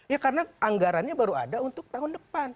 ya karena anggarannya baru ada untuk tahun depan